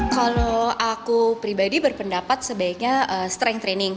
kalau aku pribadi berpendapat sebaiknya strength training